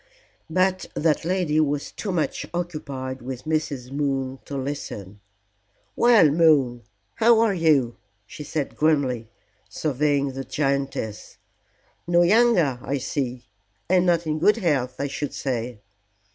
But that lady was too much occupied with Mrs. Moon to listen. "Well, Moon, how are you?" she said grimly, surveying the giantess. "No younger, I see, and not in good health, I should say."